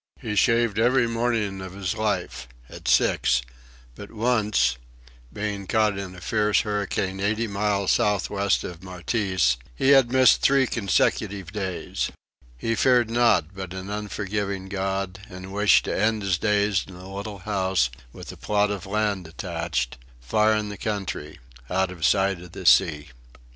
He shaved every morning of his life at six but once (being caught in a fierce hurricane eighty miles southwest of Mauritius) he had missed three consecutive days. He feared naught but an unforgiving God, and wished to end his days in a little house, with a plot of ground attached far in the country out of sight of the sea.